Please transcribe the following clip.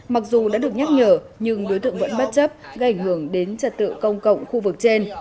mặc dù đã được nhắc nhở nhưng đối tượng vẫn bất chấp gây ảnh hưởng đến trật tự công cộng khu vực trên